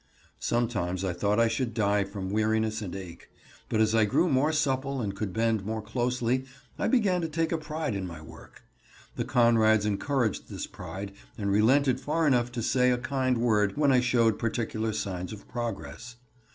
Sometimes I thought I should die from weariness and ache. But as I grew more supple and could bend more closely I began to take a pride in my work. The Conrads encouraged this pride and relented far enough to say a kind word when I showed particular signs of progress.